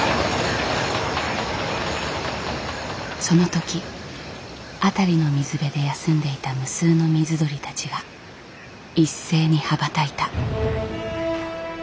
その時辺りの水辺で休んでいた無数の水鳥たちが一斉に羽ばたいた。